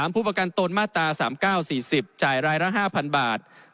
ผู้ประกันตนมาตรา๓๙๔๐จ่ายรายละ๕๐๐บาท